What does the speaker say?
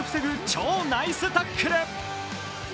超ナイスタックル。